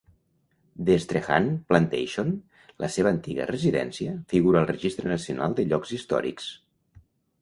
Destrehan Plantation, la seva antiga residència, figura al Registre Nacional de Llocs Històrics.